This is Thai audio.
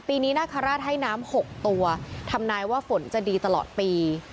ปีนี้นาคาราชให้น้ำ๖ตัวทำนายว่าฝนจะดีตลอดปี